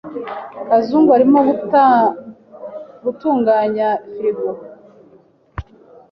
Kazungu arimo gutunganya firigo. (Amastan)